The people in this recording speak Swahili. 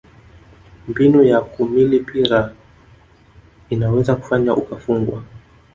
mbinu ya kumili pira inaweza kufanya ukafungwa